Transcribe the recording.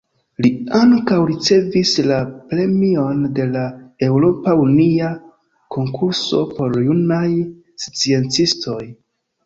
Li ankaŭ ricevis la Premion de la Eŭropa Unia Konkurso por Junaj Sciencistoj.